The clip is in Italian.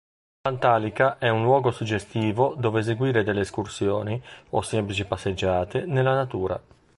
Pantalica è un luogo suggestivo dove eseguire delle escursioni o semplici passeggiate nella natura.